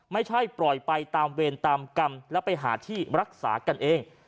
ไม่ใช่ปล่อยไปตามเวรตามกรรมแล้วไปหาที่รักษากันเอง